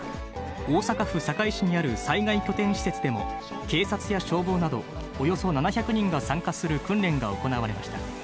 大阪府堺市にある災害拠点施設でも、警察や消防などおよそ７００人が参加する訓練が行われました。